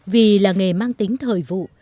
vì là nghề mang tính thời vụ